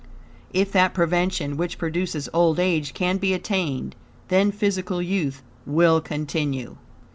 If that prevention which produces old age can be attained, then physical youth will continue.